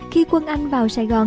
khi quân anh vào sài gòn